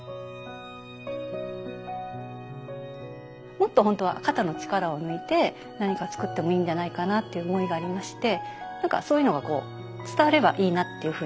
もっと本当は肩の力を抜いて何か作ってもいいんじゃないかなっていう思いがありまして何かそういうのがこう伝わればいいなっていうふうに思うんですね。